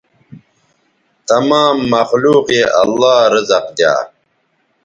تمام مخلوق یے اللہ رزق دیا